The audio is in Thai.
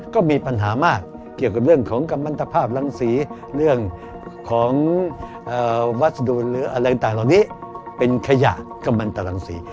ก็มีปัญหามากเกี่ยวกับเรื่องของกำมันตภาพรังสีเรื่องของวัสดุหรืออะไรต่างเหล่านี้เป็นขยะกำลังตรังสี